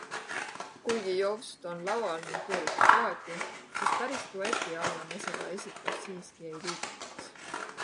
Kuigi JOWST on laval ning keerutab plaati, siis päris dueti alla me seda esitust siiski ei liigitaks.